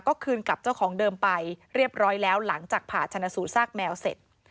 ก็คืนกับเจ้าของเดิมไปเรียบร้อยแล้วหลังจากผ่าชนะสูตซากแมวเสร็จ